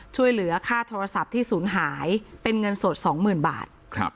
ช่วยเหลือค่าโทรศัพท์ที่สูญหายเป็นเงินโสดสองหมื่นบาท